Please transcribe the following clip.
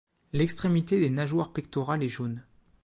L'extrémité des nageoires pectorales est jaune.